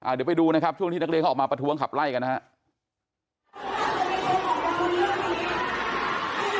เดี๋ยวไปดูนะครับช่วงที่นักเรียนเขาออกมาประท้วงขับไล่กันนะครับ